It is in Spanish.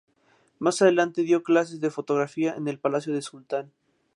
Más adelante, dió clases de fotografía en el palacio del sultán.